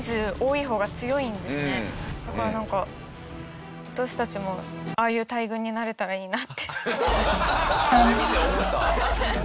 だからなんか私たちもああいう大群になれたらいいなって。